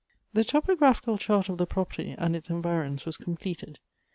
THE topographical chart of the property and its envi rons was completed.